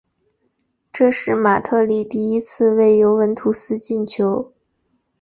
这是马特里第一次为尤文图斯进球。